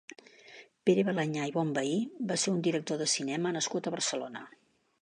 Pere Balañà i Bonvehí va ser un director de cinema nascut a Barcelona.